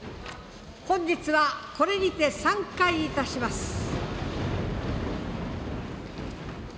本日はこれにて散会いたします。